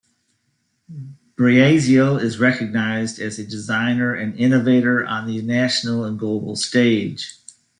Breazeal is recognized as a designer and innovator on the national and global stage.